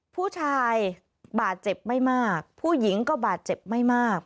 ผู้ชายบาดเจ็บไม่มากผู้หญิงก็บาดเจ็บไม่มาก